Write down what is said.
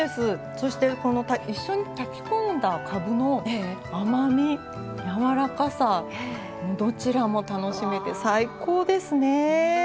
そして一緒に炊き込んだかぶの甘みやわらかさどちらも楽しめて最高ですね。